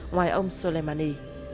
ngoài ông soleimani